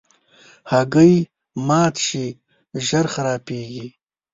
هګۍ مات شي، ژر خرابیږي.